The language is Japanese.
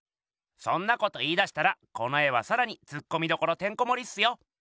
そんなこと言いだしたらこの絵はさらにツッコミどころてんこもりっすよ。